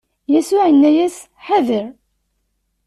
Yasuɛ inna-as: Ḥader!